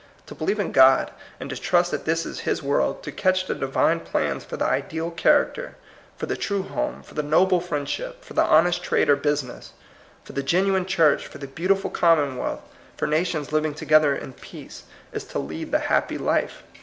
To believe in God, and to trust that this is his world, to catch the Divine plans for the ideal character, for the true home, for the noble friendship, for the honest trade or business, for the genuine church, for the beautiful commonwealth, for nations living together in peace, is to lead the happy life.